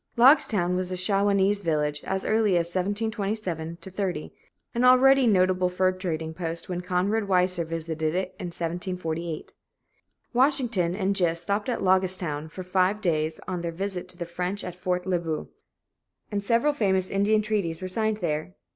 Logstown was a Shawanese village as early as 1727 30, and already a notable fur trading post when Conrad Weiser visited it in 1748. Washington and Gist stopped at "Loggestown" for five days on their visit to the French at Fort Le Boeuf, and several famous Indian treaties were signed there.